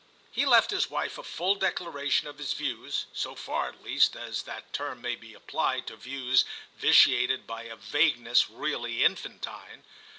He left his wife a full declaration of his views, so far at least as that term may be applied to views vitiated by a vagueness really infantine.